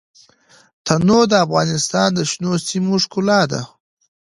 تنوع د افغانستان د شنو سیمو ښکلا ده.